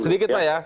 sedikit pak ya